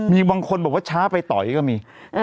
มีบางคนบอกว่าช้าไปต่อยก็มี